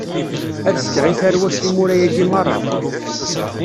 Ad fkeɣ i tarwa-k timura-agi meṛṛa.